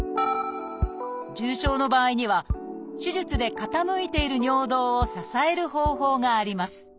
重症の場合には手術で傾いている尿道を支える方法があります